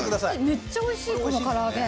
めっちゃ美味しいこのから揚げ。